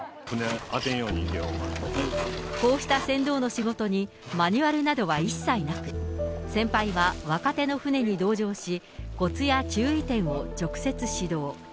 こうした船頭の仕事にマニュアルなどは一切なく、先輩は若手の船に同乗し、こつや注意点を直接指導。